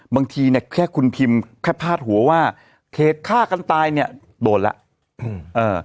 บางทีแค่คุณพิมพ์ผ้าถัวว่าเหตุค่ากันตายเนี่ยโดดและ